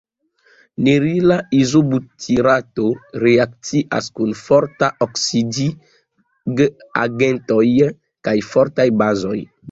Nerila izobutirato reakcias kun fortaj oksidigagentoj kaj fortaj bazoj.